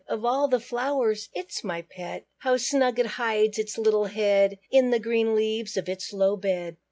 Of all the flow'rs it is my pet; How snug it hides its little head In the green leaves of its low bed.